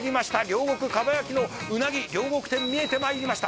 両国蒲焼きのうなぎ両國店見えてまいりました